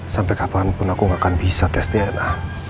sampai kapanpun aku gak akan bisa tes tna